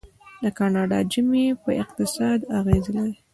د کاناډا ژمی په اقتصاد اغیز لري.